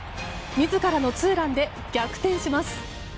自らのツーランで逆転します。